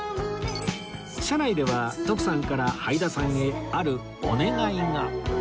車内では徳さんからはいださんへあるお願いが